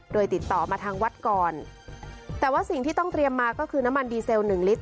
โดยติดต่อมาทางวัดก่อนแต่ว่าสิ่งที่ต้องเตรียมมาก็คือน้ำมันดีเซลหนึ่งลิตร